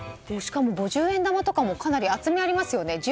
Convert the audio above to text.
しかも五十円玉とかも厚みがありますよね。